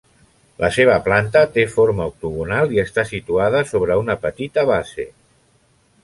La seva planta té forma octogonal i està situada sobre una petita base.